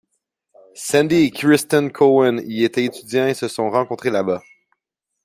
Sandy et Kristen Cohen y étaient étudiants et se sont rencontrés là bas.